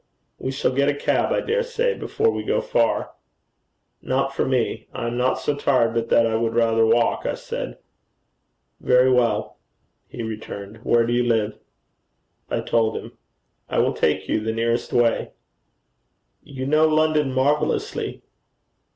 'We shall get a cab, I dare say, before we go far.' 'Not for me. I am not so tired, but that I would rather walk,' I said. 'Very well,' he returned. 'Where do you live?' I told him. 'I will take you the nearest way.' 'You know London marvellously.'